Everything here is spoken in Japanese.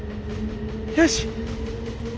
よし。